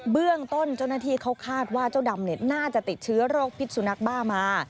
เบื้องต้นเจ้าหน้าที่เขาคาดว่าเจ้าดำน่าจะติดเชื้อโรคพิษสุนัขบ้ามา